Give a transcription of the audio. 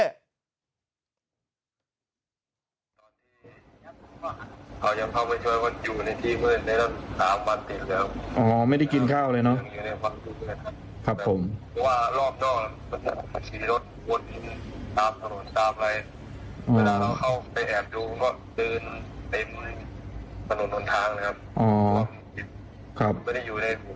เค้ายังเข้ามาช่วยวันอยู่ในที่เมื่อในรถ๓วันติดแล้ว